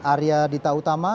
arya dita utama